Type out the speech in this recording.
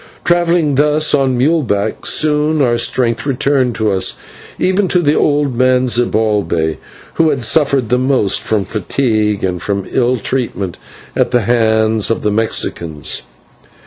Travelling thus on mule back, soon our strength returned to us, even to the old man Zibalbay, who had suffered the most from fatigue and from ill treatment at the hands of the Mexicans.